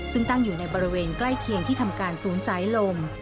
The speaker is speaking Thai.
ซึ่งตั้งอยู่ในบริเวณใกล้เคียงที่ทำการศูนย์สายลม